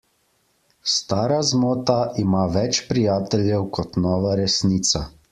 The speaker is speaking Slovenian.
Stara zmota ima več prijateljev kot nova resnica.